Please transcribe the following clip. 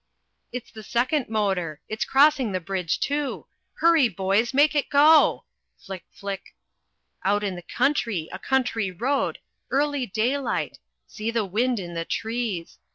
It's the second motor it's crossing the bridge too hurry, boys, make it go! Flick, flick! Out in the country a country road early daylight see the wind in the trees!